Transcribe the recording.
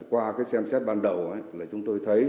qua cái xem xét ban đầu là chúng tôi thấy